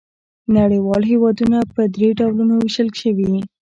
نړیوال هېوادونه په درې ډولونو وېشل شوي.